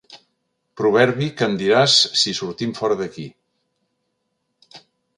Proverbi que em diràs si sortim fora d'aquí.